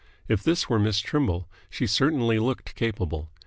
If this were Miss Trimble, she certainly looked capable.